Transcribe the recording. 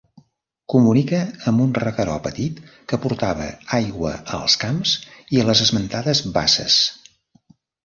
Comunica amb un regueró petit que portava aigua als camps i a les esmentades basses.